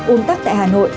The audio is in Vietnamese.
ủng tắc tại hà nội